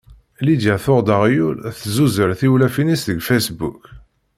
Lidya tuɣ-d aɣyul tzuzer tiwlafin-is deg facebook.